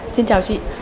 xin chào chị